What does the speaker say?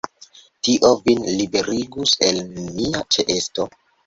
Tio vin liberigus el mia ĉeesto.